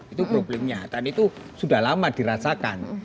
itu problemnya dan itu sudah lama dirasakan